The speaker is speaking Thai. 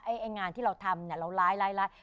ไอ้งานที่เราทำเนี่ยเราร้าย